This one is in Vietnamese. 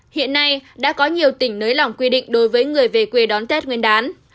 hiện nay đã có nhiều tỉnh nới lỏng quy định đối với người về quê đón tết nguyên đán